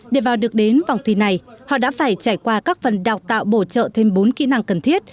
để vào được đến vòng thi này họ đã phải trải qua các phần đào tạo bổ trợ thêm bốn kỹ năng cần thiết